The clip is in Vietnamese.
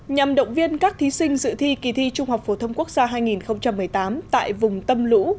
nhằm động viên các thí sinh dự thi kỳ thi trung học phổ thông quốc gia hai nghìn một mươi tám tại vùng tâm lũ